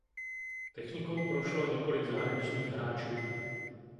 Technikou prošlo několik zahraničních hráčů.